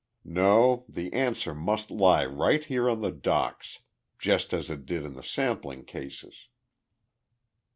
"No, the answer must lie right here on the docks just as it did in the sampling cases."